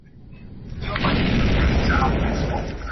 সাড়ে পাঁচ মাস।